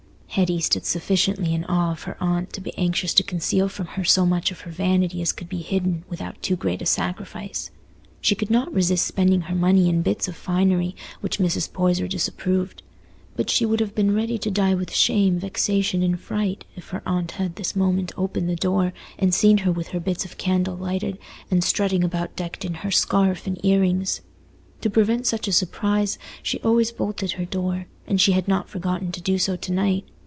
Hetty stood sufficiently in awe of her aunt to be anxious to conceal from her so much of her vanity as could be hidden without too great a sacrifice. She could not resist spending her money in bits of finery which Mrs. Poyser disapproved; but she would have been ready to die with shame, vexation, and fright if her aunt had this moment opened the door, and seen her with her bits of candle lighted, and strutting about decked in her scarf and ear rings. To prevent such a surprise, she always bolted her door, and she had not forgotten to do so to night.